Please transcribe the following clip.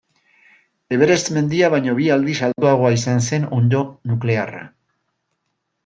Everest mendia baino bi aldiz altuagoa izan zen onddo nuklearra.